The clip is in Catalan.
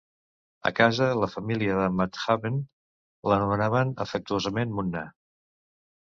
A casa, la família de Mahjabeen l'anomenaven afectuosament "Munna".